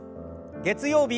月曜日